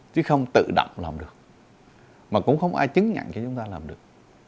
chứ không tự động làm được mà cũng không ai chứng nhận cho chúng ta làm được